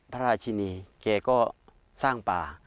พระราชินีแกก็สร้างป่า